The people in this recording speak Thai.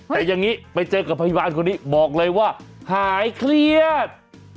แต่อย่างนี้ไปเจอกับพยาบาลคนนี้บอกเลยว่าหายเครียด